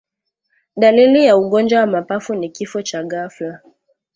Dalili ya ugonjwa wa mapafu ni kifo cha ghafla